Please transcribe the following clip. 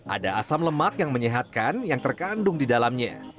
ada asam lemak yang menyehatkan yang terkandung di dalamnya